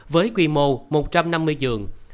với quy mô một trăm năm mươi giường